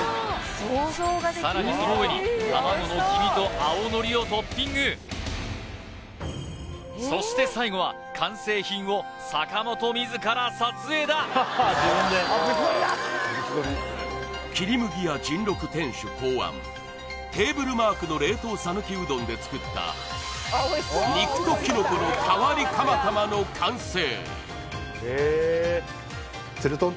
さらにその上に卵の黄身と青のりをトッピングそして最後は完成品を坂本自ら撮影だ切麦や甚六店主考案テーブルマークの冷凍さぬきうどんで作った肉ときのこの変わり釜玉の完成